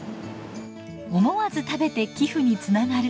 思わず食べて寄付につながる。